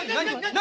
何？